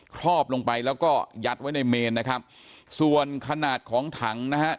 ครอบลงไปแล้วก็ยัดไว้ในเมนนะครับส่วนขนาดของถังนะฮะ